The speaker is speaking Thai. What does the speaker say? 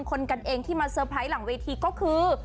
กันเองที่มาเซอร์ไพรส์หลังเวทีก็คือ